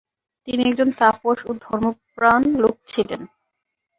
তিনি একজন তাপস ও ধর্মপ্রাণ লোক ছিলেন।